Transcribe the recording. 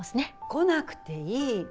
来なくていい。